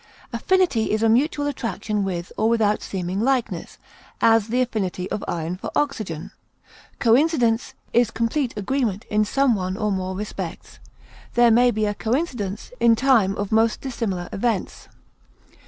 Affinity is a mutual attraction with or without seeming likeness; as, the affinity of iron for oxygen. Coincidence is complete agreement in some one or more respects; there may be a coincidence in time of most dissimilar events.